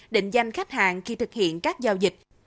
định danh khách hàng khi thực hiện các giao dịch